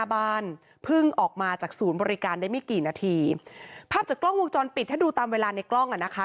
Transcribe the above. วงจรปิดถ้าดูตามเวลาในกล้องอ่ะนะคะ